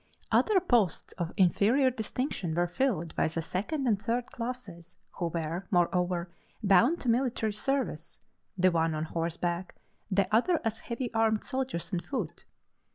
Other posts of inferior distinction were filled by the second and third classes, who were, moreover, bound to military service the one on horseback, the other as heavy armed soldiers on foot.